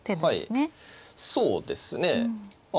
そうですね。